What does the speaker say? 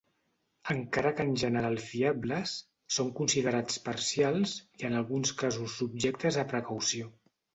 Encara que en general fiables, són considerats parcials, i en alguns casos subjectes a precaució.